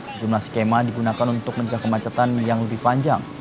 sejumlah skema digunakan untuk menjaga kemacetan yang lebih panjang